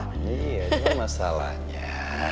iya cuma masalahnya